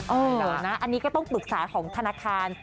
เหรอนะอันนี้ก็ต้องปรึกษาของธนาคาร